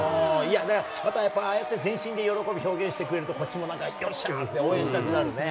やっぱああやって全身で喜びを表現してくれると、こっちもなんかよっしゃーって応援したくなるね。